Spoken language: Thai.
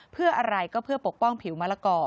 เพื่ออะไรก็เพื่อปกป้องผิวมะละกอ